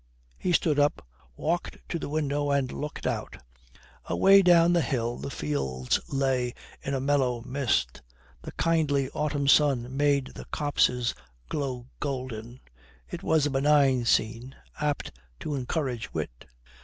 He stood up, walked to the window, and looked out. Away down the hill the fields lay in a mellow mist, the kindly autumn sun made the copses glow golden; it was a benign scene, apt to encourage wit.